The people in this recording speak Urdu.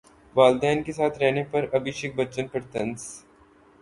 والدین کے ساتھ رہنے پر ابھیشیک بچن پر طنز